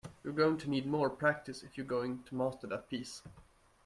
You're going to need more practice if you're going to master that piece.